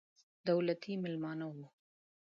دولتي مېلمانه وو.